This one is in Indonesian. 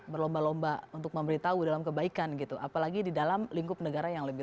berlomba lomba untuk memberitahu dalam kebaikan gitu apalagi di dalam lingkup negara yang lebih